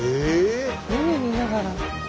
海見ながら。